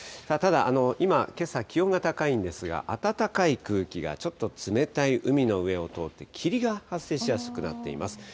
ただ今、けさ気温が高いんですが、暖かい空気がちょっと冷たい海の上を通って、霧が発生しやすくなっています。